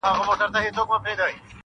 ووایه نسیمه نن سبا ارغوان څه ویل--!